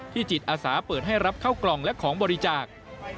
จิตอาสาเปิดให้รับเข้ากล่องและของบริจาค